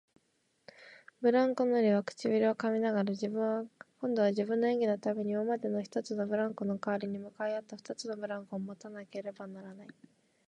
ブランコ乗りは唇をかみながら、自分は今度は自分の演技のために今までの一つのブランコのかわりに向かい合った二つのブランコをもたなければならない、